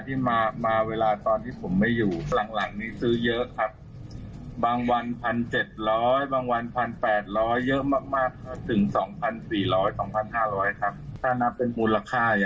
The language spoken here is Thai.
ผมว่ามันมากกว่าแสดมากกว่านั้นแน่ครับ